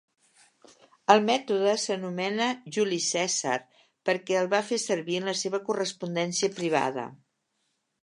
El mètode s'anomena Juli Cèsar perquè el va fer servir en la seva correspondència privada.